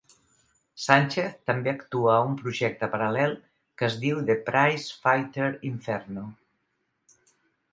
Sánchez també actua a un projecte paral·lel que es diu The Prize Fighter Inferno.